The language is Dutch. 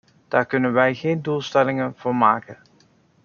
Daar kunnen wij geen doelstellingen voor maken.